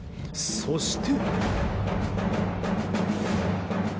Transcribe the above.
そして。